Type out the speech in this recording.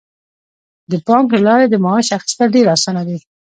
د بانک له لارې د معاش اخیستل ډیر اسانه دي.